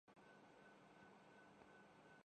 آپ کی طویل خاموشی کی کیا وجہ ہے؟